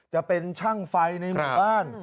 จะเป็นช่างไฟในหมู่บ้าน